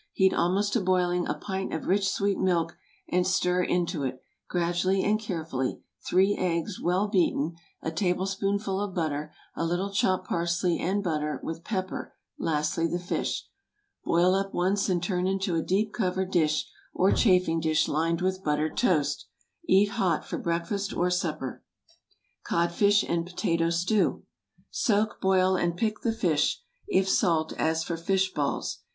Heat almost to boiling a pint of rich, sweet milk, and stir into it, gradually and carefully, three eggs, well beaten, a tablespoonful of butter, a little chopped parsley and butter, with pepper, lastly the fish. Boil up once and turn into a deep covered dish, or chafing dish lined with buttered toast. Eat hot for breakfast or supper. CODFISH AND POTATO STEW. ✠ Soak, boil, and pick the fish, if salt, as for fish balls.